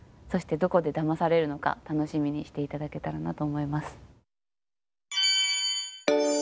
そして、どこでだまさられるのか楽しみにしていただけたらなと思います。